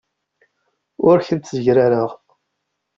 Ur kent-ssegrareɣ.